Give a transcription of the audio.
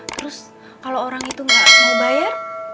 terus kalau orang itu nggak mau bayar